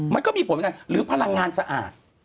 มันก็มีผลแบบนั้นหรือพลังงานสะอาด